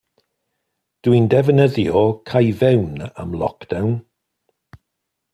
Dwi'n defnyddio cau fewn am lock down.